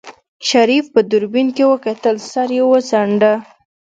شريف په دوربين کې وکتل سر يې وڅنډه.